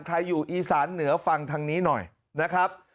อยู่อีสานเหนือฟังทางนี้หน่อยนะครับ